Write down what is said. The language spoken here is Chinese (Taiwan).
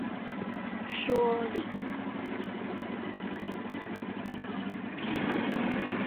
說理